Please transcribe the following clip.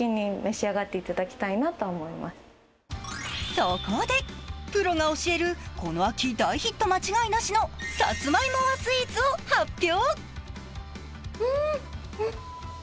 そこで、プロが教えるこの秋大ヒット間違いなしのさつまいもスイーツを発表。